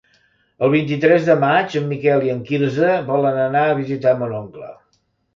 El vint-i-tres de maig en Miquel i en Quirze volen anar a visitar mon oncle.